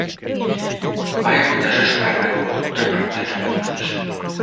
Pályafutása során megfordult több francia csapatban is.